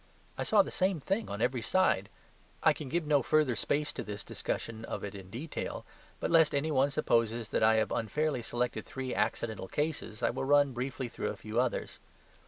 I saw the same thing on every side. I can give no further space to this discussion of it in detail; but lest any one supposes that I have unfairly selected three accidental cases I will run briefly through a few others.